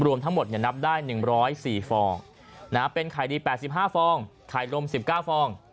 รวมทั้งหมดนับได้๑๐๔ฟองเป็นไข่ดี๘๕ฟองไข่นม๑๙ฟอง